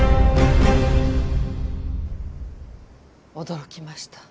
驚きました。